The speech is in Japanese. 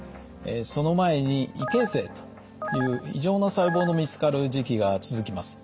その前に異形成という異常な細胞の見つかる時期が続きます。